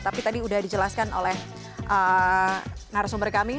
tapi tadi sudah dijelaskan oleh narasumber kami